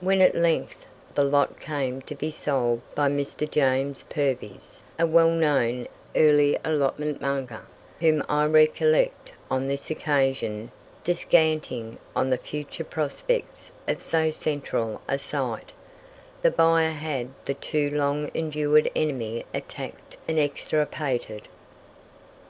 When at length the lot came to be sold by Mr. James Purves, a well known early allotment monger, whom I recollect on this occasion descanting on the future prospects of so central a site, the buyer had the too long endured enemy attacked and extirpated.